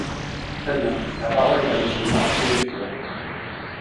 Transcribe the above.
Très bien ! La parole est à Monsieur Marc Le Fur.